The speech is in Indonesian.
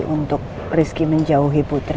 untuk rizky menjauhi putri